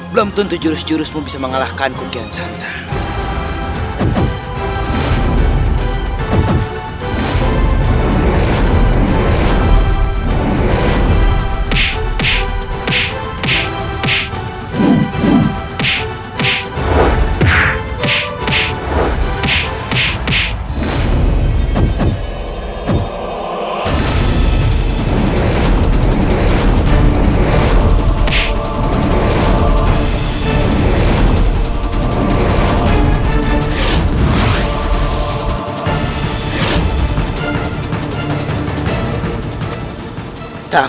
belum tentu jurus jurusmu bisa mengalahkan kukian santa